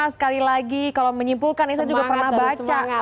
sekali lagi kalau menyimpulkan saya juga pernah baca